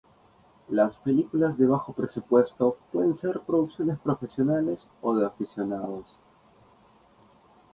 Las películas de bajo presupuesto pueden ser producciones profesionales o de aficionados.